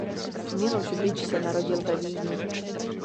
Miloš Bič se narodil ve Vídni.